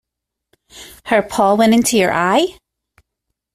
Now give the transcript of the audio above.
Her paw went into your eye?